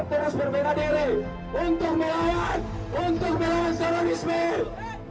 untuk melawan untuk melawan teroris mil